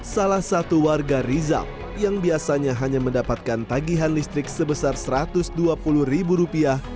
salah satu warga rizal yang biasanya hanya mendapatkan tagihan listrik sebesar satu ratus dua puluh ribu rupiah